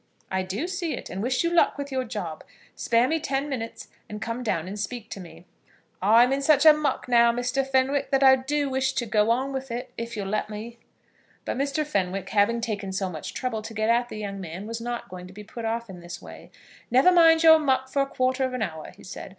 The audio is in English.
"I do see it, and wish you luck with your job. Spare me ten minutes, and come down and speak to me." "I am in such a muck now, Mr. Fenwick, that I do wish to go on with it, if you'll let me." But Mr. Fenwick, having taken so much trouble to get at the young man, was not going to be put off in this way. "Never mind your muck for a quarter of an hour," he said.